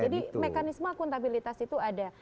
jadi mekanisme akuntabilitas itu ada